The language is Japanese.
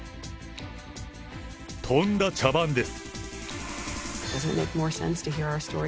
とんだ茶番です。